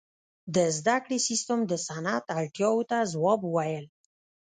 • د زدهکړې سیستم د صنعت اړتیاو ته ځواب وویل.